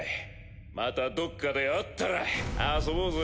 またどっかで会ったら遊ぼうぜ。